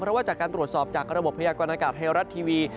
เพราะว่าจากการตรวจสอบจากระบบพยากรณากาศไทยรัฐทีวี